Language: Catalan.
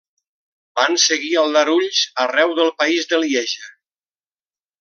Van seguir aldarulls arreu del país de Lieja.